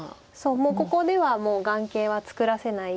もうここでは眼形は作らせないよと。